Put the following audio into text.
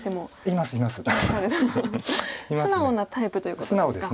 素直なタイプということですか。